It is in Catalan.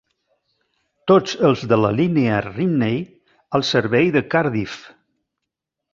Tots els de la línia Rhymney al servei de Cardiff.